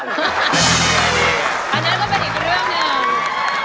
อันนั้นก็เป็นอีกเรื่องหนึ่ง